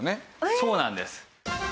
そうなんです。